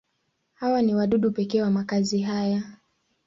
Hawa ni wadudu pekee wa makazi haya.